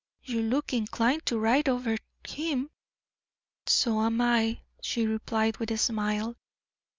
You look inclined to ride over him." "So I am," she replied, with a smile.